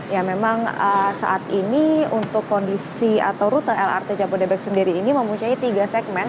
ya memang saat ini untuk kondisi atau rute lrt jabodebek sendiri ini mempunyai tiga segmen